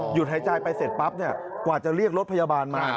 หายใจไปเสร็จปั๊บกว่าจะเรียกรถพยาบาลมา